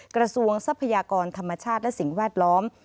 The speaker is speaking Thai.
ทรัพยากรธรรมชาติและสิ่งแวดล้อม